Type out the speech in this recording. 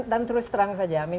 dan terus terang saja amin